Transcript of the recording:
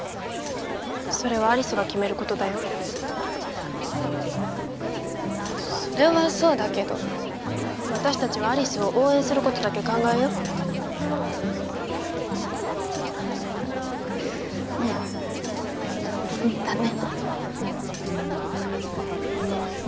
それは有栖が決めることだよそれはそうだけど私達は有栖を応援することだけ考えよっうんだね